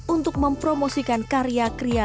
untuk mempromosikan karya kriasi